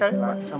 terima kasih bu